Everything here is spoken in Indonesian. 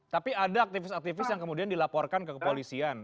tapi ada aktivis aktivis yang kemudian dilaporkan ke kepolisian